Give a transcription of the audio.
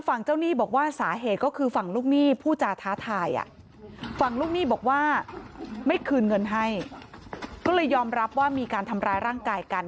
ฝั่งลูกหนี้บอกว่าไม่คืนเงินให้ก็เลยยอมรับว่ามีการทำร้ายร่างกายกัน